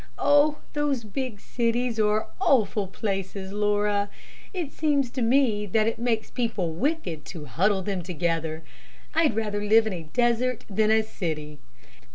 Oh, those big cities are awful places, Laura. It seems to me that it makes people wicked to huddle them together. I'd rather live in a desert than a city.